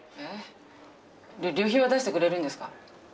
え？で旅費は出してくれるんですか？